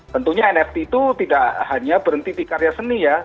tentunya nft itu tidak hanya berhenti di karya seni ya